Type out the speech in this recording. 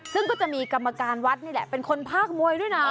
ซึ่งก็จะมีกรรมการวัดนี่แหละเป็นคนภาคมวยด้วยนะ